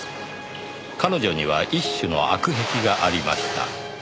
「彼女には一種の悪癖がありました」